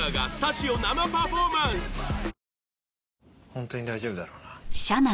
本当に大丈夫だろうな？